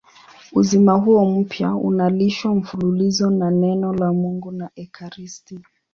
Uzima huo mpya unalishwa mfululizo na Neno la Mungu na ekaristi.